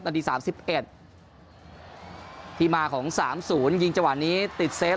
นาทีสามสิบเอ็ดที่มาของสามศูนย์ยิงจังหวัดนี้ติดเซส